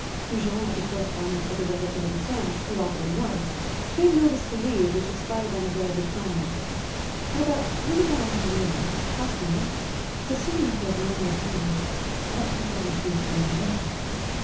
Goujon, after correspondence with a relative in France who offered him work, gave notice to leave, which expired on the day of the crime. At about three that afternoon a housemaid, proceeding toward Rameau's rooms, met Goujon as he was going away.